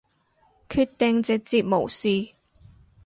決定直接無視